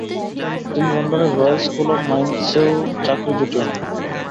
তিনি লন্ডনের royal school of মাইন্সেও চাকরি জুটিয়ে নেন।